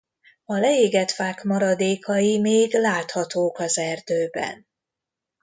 A leégett fák maradékai még láthatók az erdőben.